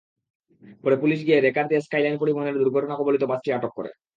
পরে পুলিশ গিয়ে রেকার দিয়ে স্কাইলাইন পরিবহনের দুর্ঘটনাকবলিত বাসটি আটক করে।